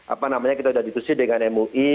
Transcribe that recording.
apa namanya kita udah dipersih dengan mui